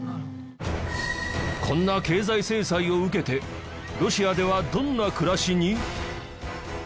こんな経済制裁を受けてロシアではどんな暮らしに？